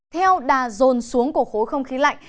theo đà rồn xuống của khối không khí lạnh